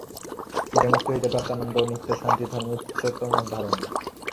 এই মুক্তি হইতে প্রাপ্ত আনন্দ ও নিত্য শান্তি ধর্মের উচ্চতম ধারণা।